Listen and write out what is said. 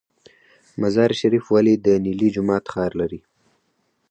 مزار شریف ولې د نیلي جومات ښار دی؟